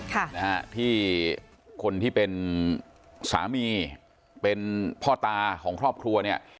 ค่ะนะฮะที่คนที่เป็นสามีเป็นพ่อตาของครอบครัวเนี่ย